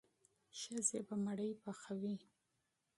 ښځې به ډوډۍ پخوي.